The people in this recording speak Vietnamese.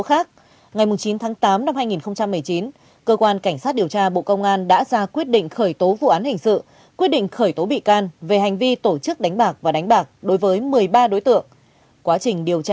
khởi tố đường dây tổ chức đánh bạc và đánh bạc hơn một sáu trăm linh tỷ đồng